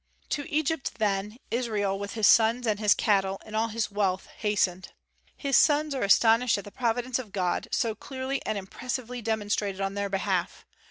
To Egypt, then, Israel with his sons and his cattle and all his wealth hastened. His sons are astonished at the providence of God, so clearly and impressively demonstrated on their behalf.